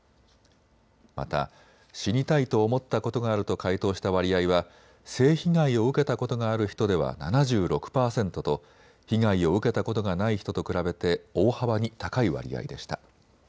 また死にたいと思ったことがあると回答した割合は性被害を受けたことがある人では７６％と被害を受けたことがない人と比べて大幅に高い割合でした。